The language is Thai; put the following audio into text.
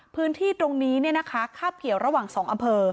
พื้นที่ตรงนี้เนี้ยนะคะข้าบเขี่ยวระหว่างสองอำเภอ